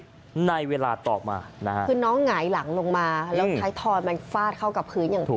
ในเวลาต่อมานะฮะคือน้องหงายหลังลงมาแล้วท้ายทอยมันฟาดเข้ากับพื้นอย่างถูก